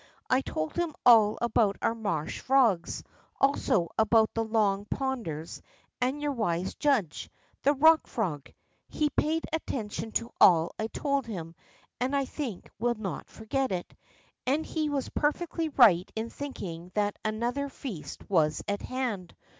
I told him all about our marsh frogs, also about the Long Ponders and your wise judge, the Bock Frog. He paid attention to all I told him, and 1 think will not forget it. And he was perfectly right in thinking that another feast was at hand.